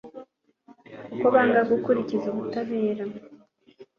kuko banga gukurikiza ubutabera